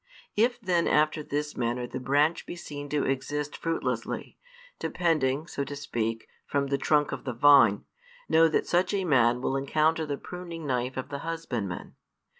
If then after this manner the branch be seen to exist fruitlessly, depending, so to speak, from the trunk of the vine, know that such a man will encounter the pruning knife of the husbandman.